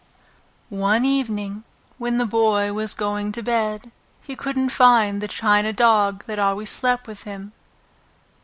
One evening, when the Boy was going to bed, he couldn't find the china dog that always slept with him.